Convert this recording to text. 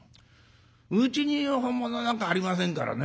うちには本物なんかありませんからね。